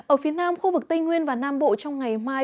ở phía nam khu vực tây nguyên và nam bộ trong ngày mai